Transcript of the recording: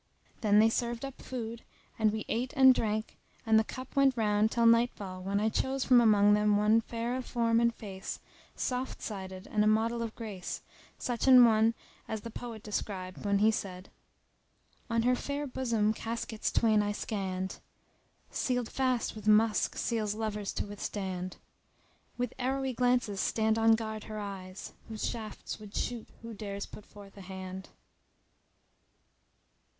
Then they served up food, and we ate and drank and the cup went round till nightfall when I chose from among them one fair of form and face, soft sided and a model of grace, such an one as the poet described when he said.— On her fair bosom caskets twain I scanned, * Sealed fast with musk seals lovers to withstand With arrowy glances stand on guard her eyes, * Whose shafts would shoot who dares put forth a hand.